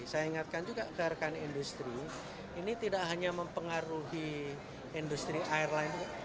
saya ingatkan juga ke rekan industri ini tidak hanya mempengaruhi industri airline